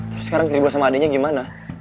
terus sekarang keribu sama adeknya gimana